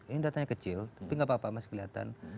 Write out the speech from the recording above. ini datanya kecil tapi nggak apa apa masih kelihatan